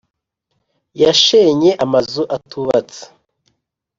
yashenye amazu atubatse